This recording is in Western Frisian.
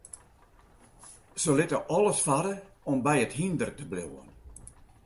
Se litte alles farre om by it hynder te bliuwen.